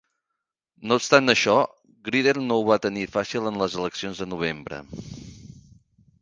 No obstant això, Grider no ho va tenir fàcil en les eleccions de novembre.